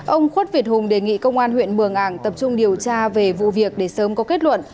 ông khuất việt hùng đề nghị công an huyện mường ảng tập trung điều tra về vụ việc để sớm có kết luận